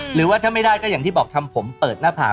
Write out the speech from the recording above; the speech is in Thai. หรือว่าถ้าไม่ได้ก็อย่างที่บอกทำผมเปิดหน้าผาก